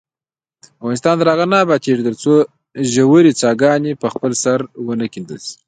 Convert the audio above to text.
افغانستان تر هغو نه ابادیږي، ترڅو ژورې څاګانې په خپل سر ونه کیندل شي.